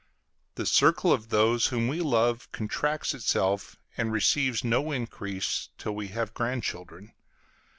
The circle of those whom we love contracts itself and receives no increase till we have grandchildren.